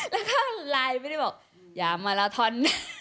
แล้วก็ไลน์ไม่ได้บอกอย่ามาลาทอน